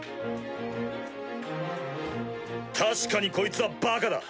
確かにこいつはバカだ！